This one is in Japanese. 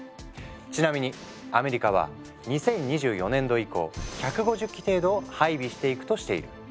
ちなみにアメリカは２０２４年度以降１５０基程度を配備していくとしている。